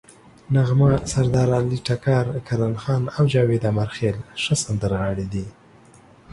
نغمه، سردارعلي ټکر، کرن خان او جاوید امیرخیل ښه سندرغاړي دي.